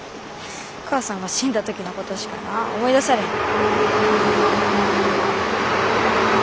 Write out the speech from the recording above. お母さんが死んだ時のことしかな思い出されへん。